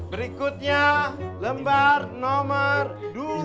berikutnya lembar nomor dua